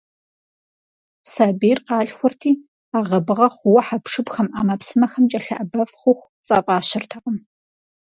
Сабийр къалъхурти, агъэ-быгъэ хъууэ хьэпшыпхэм, Ӏэмэпсымэхэм кӀэлъыӀэбэф хъуху, цӀэ фӀащыртэкъым.